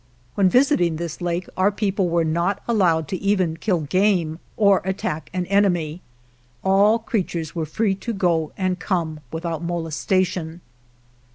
When visiting this lake our people were not allowed to even kill game or attack an enemy. All creatures were free to go and come without molestation.